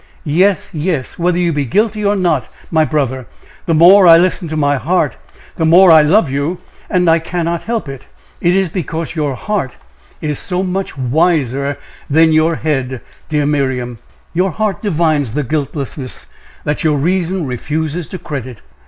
Yes! yes! whether you be guilty or not, my brother! the more I listen to my heart, the more I love you, and I cannot help it!" "It is because your heart is so much wiser than your head, dear Miriam! Your heart divines the guiltlessness that your reason refuses to credit!